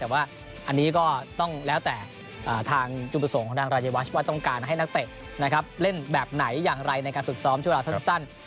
ว่าต้องการให้นักเตะเล่นแบบไหนอย่างไรในการฝึกซ้อมชั่วโลกสั้น